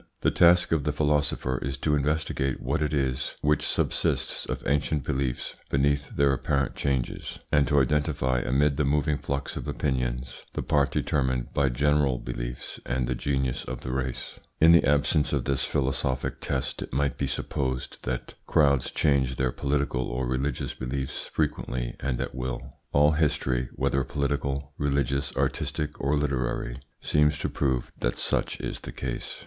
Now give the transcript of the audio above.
The task of the philosopher is to investigate what it is which subsists of ancient beliefs beneath their apparent changes, and to identify amid the moving flux of opinions the part determined by general beliefs and the genius of the race. In the absence of this philosophic test it might be supposed that crowds change their political or religious beliefs frequently and at will. All history, whether political, religious, artistic, or literary, seems to prove that such is the case.